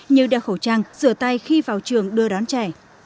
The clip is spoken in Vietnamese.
như đeo khẩu trang rửa tay khi vào trường đưa đón trẻ